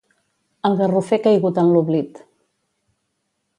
El garrofer caigut en l'oblit.